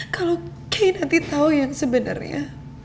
kalau kay nanti tahu yang sebenarnya